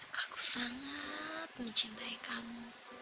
saya sangat mencintai kamu